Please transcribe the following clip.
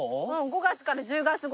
５月から１０月頃。